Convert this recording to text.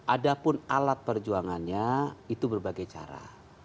ada pun alat perjuangannya itu berbagai cara